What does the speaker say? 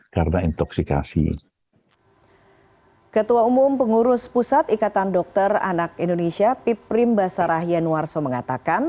ketua umum pengurus pusat ikatan dokter anak indonesia piprim basarah yanuarso mengatakan